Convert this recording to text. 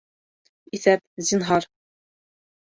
Иҫәп, зинһар!